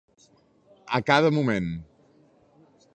A cada moment.